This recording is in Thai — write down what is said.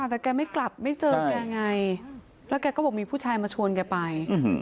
แต่แกไม่กลับไม่เจอแกไงแล้วแกก็บอกมีผู้ชายมาชวนแกไป